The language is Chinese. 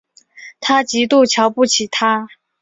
她极度瞧不起他